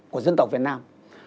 của dân tộc việt nam